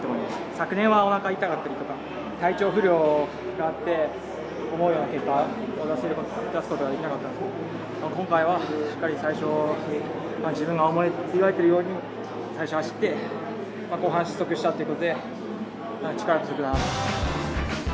昨年はおなかが痛かったりとか、体調不良があって思うような結果を出すことができなかったんですけど今回はしっかり最初、自分が思い描いているように熱中症って知ってる？